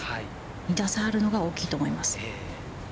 ２打差あるのが大きいと思います。